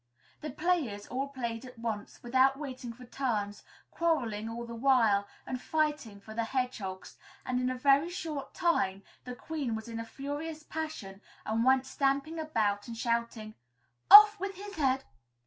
The players all played at once, without waiting for turns, quarrelling all the while and fighting for the hedgehogs; and in a very short time, the Queen was in a furious passion and went stamping about and shouting, "Off with his head!"